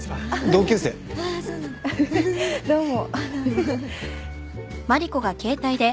どうも。